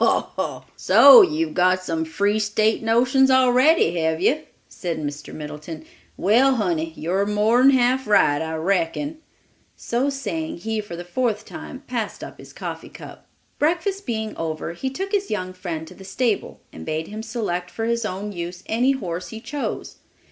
"Ho, ho! So you've got some free State notions already, have you?" said Mr. Middleton. "Well, honey, you're more'n half right, I reckon." So saying, he for the fourth time passed up his coffee cup. Breakfast being over, he took his young friend to the stable and bade him select for his own use any horse he chose.